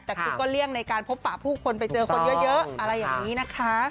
แต่คือก็เลี่ยงในการพบป่าผู้คนไปเจอคนเยอะอะไรอย่างนี้นะคะ